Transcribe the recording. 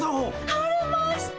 晴れました！